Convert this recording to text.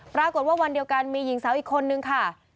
ปรากฏว่าวันเดียวกันมีหญิงสาวอีกคนนึงค่ะ